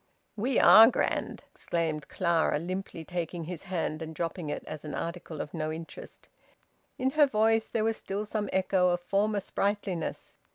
"We are grand!" exclaimed Clara, limply taking his hand and dropping it as an article of no interest. In her voice there was still some echo of former sprightliness.